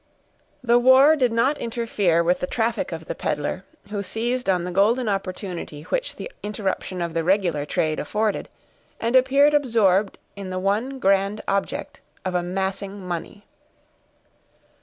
The war did not interfere with the traffic of the peddler, who seized on the golden opportunity which the interruption of the regular trade afforded, and appeared absorbed in the one grand object of amassing money.